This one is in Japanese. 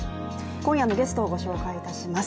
今夜のゲストをご紹介いたします。